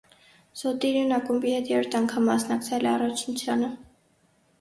Սոտիրիուն ակումբի հետ երրորդ անգամ մասնակցել է առաջնությանը։